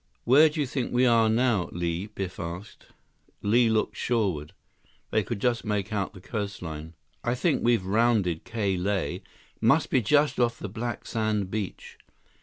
"Where do you think we are now, Li?" Biff asked. 110 Li looked shoreward. They could just make out the coastline. "I think we've rounded Ka Lae. Must be just off the black sand beach."